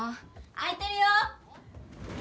開いてるよ。